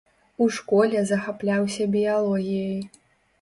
У школе захапляўся біялогіяй.